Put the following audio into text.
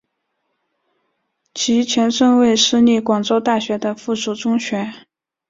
其前身为私立广州大学的附属中学。